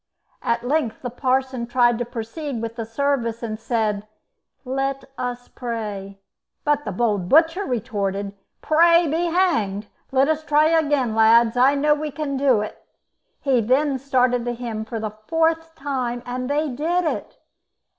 At length the parson tried to proceed with the service, and said: "Let us pray." But the bold butcher retorted: "Pray be hanged. Let us try again, lads; I know we can do it." He then started the hymn for the fourth time, and they did it.